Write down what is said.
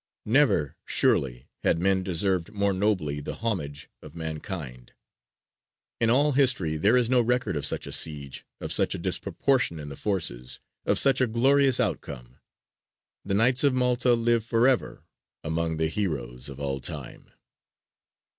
Never surely had men deserved more nobly the homage of mankind. In all history there is no record of such a siege, of such a disproportion in the forces, of such a glorious outcome. The Knights of Malta live for ever among the heroes of all time.